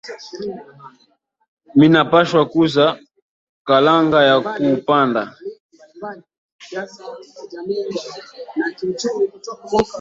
Mina pashwa kuza kalanga ya ku panda